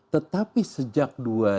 tetapi sejak dua ribu lima belas